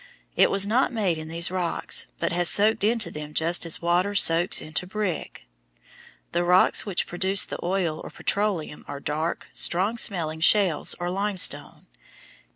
It was not made in these rocks, but has soaked into them just as water soaks into a brick. The rocks which produced the oil or petroleum are dark, strong smelling shales or limestone.